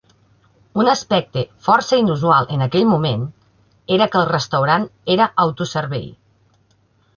Un aspecte, força inusual en aquell moment, era que el restaurant era autoservei.